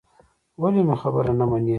ولې مې خبره نه منې.